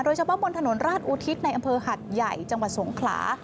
เฉพาะบนถนนราชอุทิศในอำเภอหัดใหญ่จังหวัดสงขลา